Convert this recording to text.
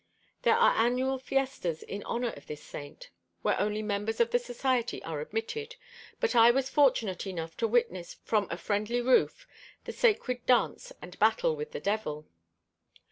There are annual fiestas in honor of this Saint, where only members of the Society are admitted, but I was fortunate enough to witness from a friendly roof the sacred dance and battle with the devil.